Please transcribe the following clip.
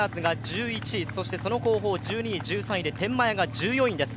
そしてその後方、１１位、１３位で天満屋が１５位です。